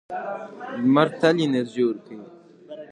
لمر تل انرژي ورکوي.